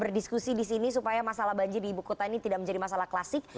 berdiskusi di sini supaya masalah banjir di ibu kota ini tidak menjadi masalah klasik